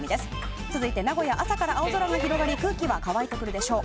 続いて、名古屋は朝から青空が広がり空気は乾いてくるでしょう。